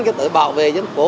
cho tới bảo vệ dân cổ